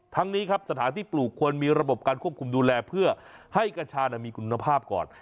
ทั้งนี้ครับสถานที่ปลูกควรมีระบบการควบคุมดูแลเพื่อให้กัญชามีคุณภาพก่อน